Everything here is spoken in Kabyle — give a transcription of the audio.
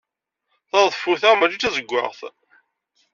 Taḍeffut-a maci d tazewwaɣt.